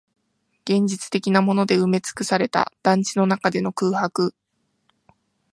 現実的なもので埋めつくされた団地の中での空白